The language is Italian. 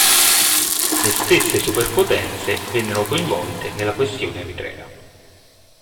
Le stesse superpotenze vennero coinvolte nella "questione eritrea".